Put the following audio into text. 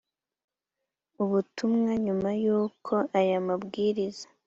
ubutumwa nyuma y uko aya mabwiriza